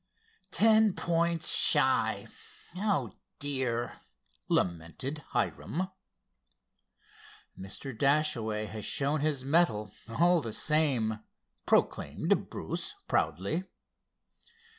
"Ten points shy—oh, dear!" lamented Hiram. "Mr. Dashaway has shown his mettle all the same," proclaimed Bruce proudly.